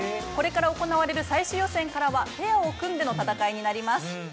これから行われる最終予選からはペアを組んでの戦いになります。